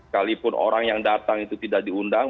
kalaupun orang yang datang itu tidak diundang